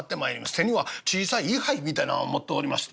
手には小さい位牌みたいなの持っておりまして。